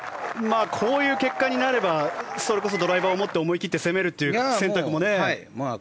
こういう結果になればそれこそドライバーを持って思い切って攻めるという選択もありますよね。